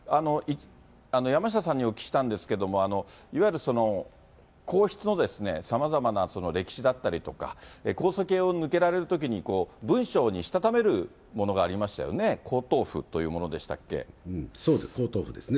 山下さんにお聞きしたいんですけれども、いわゆる皇室のさまざまなその歴史だったりとか、皇籍を抜けられるときに、文章にしたためるものがありましたよね、皇統譜というものでした皇統譜ですね。